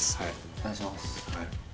お願いします